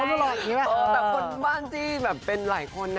แต่คนบ้านที่แบบเป็นหลายคนนะ